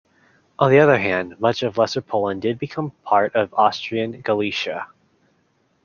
On the other hand, much of Lesser Poland did become part of Austrian Galicia.